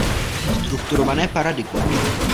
Strukturované paradigma.